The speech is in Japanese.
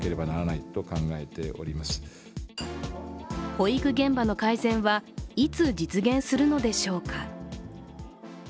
保育現場の改善はいつ実現するのでしょうか。